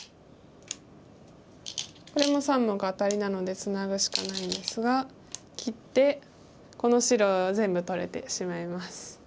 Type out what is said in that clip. これも３目アタリなのでツナぐしかないんですが切ってこの白全部取れてしまいます。